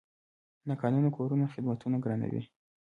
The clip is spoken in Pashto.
ناقانونه کورونه خدمتونه ګرانوي.